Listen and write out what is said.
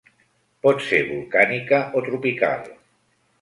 Pot ser volcànica o tropical.